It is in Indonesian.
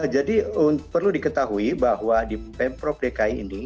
jadi perlu diketahui bahwa di pemprov dki ini